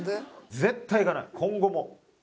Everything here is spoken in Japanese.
絶対行かない今後も。